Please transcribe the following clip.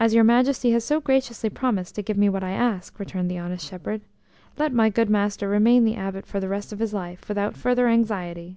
"As your Majesty has so graciously promised to give me what I ask," returned the honest shepherd, "let my good master remain the Abbot for the rest of his life, without further anxiety."